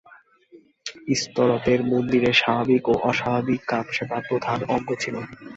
ইস্তরতের মন্দিরে স্বাভাবিক ও অস্বাভাবিক কামসেবা প্রধান অঙ্গ ছিল।